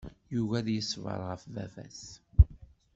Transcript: Yugi ad iṣber ɣef baba-s.